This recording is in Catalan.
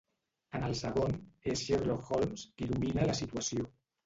En el segon, és Sherlock Holmes qui domina la situació.